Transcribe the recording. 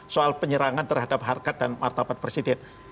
soal penyerangan terhadap harkat dan martabat presiden